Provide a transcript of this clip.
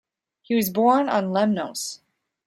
He was born on Lemnos.